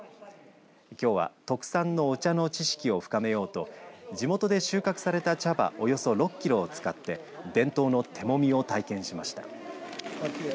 きょうは特産のお茶の知識を深めようと地元で収穫された茶葉、およそ６キロを使って、伝統の手もみを体験しました。